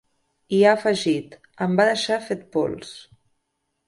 I ha afegit: Em va deixar fet pols.